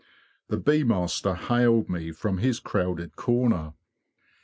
The bee master hailed me from his crowded corner.